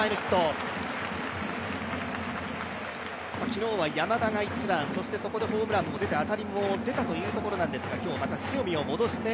昨日は山田が１番でホームランで当たりも出たというところなんですが、今日また塩見を戻して